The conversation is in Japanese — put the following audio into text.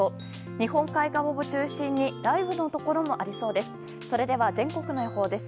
日本海側を中心に雷雨のところもありそうです。